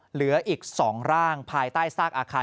เหลืออีก๒ร่างภายใต้ซากอาคาร